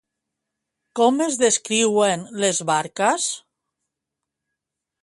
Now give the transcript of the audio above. Com es descriuen les barques?